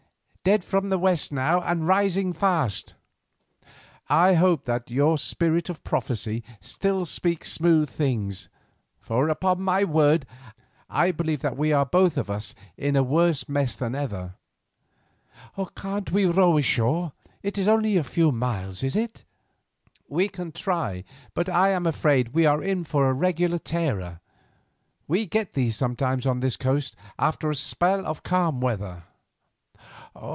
"Dead from the west, now, and rising fast. I hope that your spirit of prophecy still speaks smooth things, for, upon my word, I believe we are both of us in a worse mess than ever." "Can't we row ashore? It is only a few miles, is it?" "We can try, but I am afraid we are in for a regular tearer. We get them sometimes on this coast after a spell of calm weather."